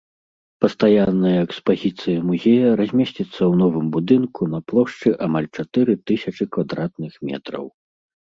Пастаянная экспазіцыя музея размесціцца ў новым будынку на плошчы амаль чатыры тысячы квадратных метраў.